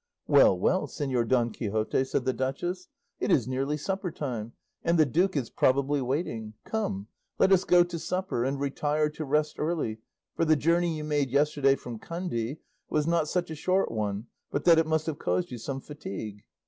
"Well, well, Señor Don Quixote," said the duchess, it is nearly supper time, and the duke is probably waiting; come let us go to supper, and retire to rest early, for the journey you made yesterday from Kandy was not such a short one but that it must have caused you some fatigue."